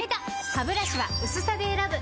ハブラシは薄さで選ぶ！